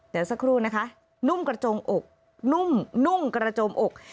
เดี๋ยวสักครู่นะคะนุ่มกระจงอกนุ่มนุ่มกระโจมอก